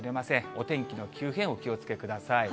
お天気の急変、お気をつけください。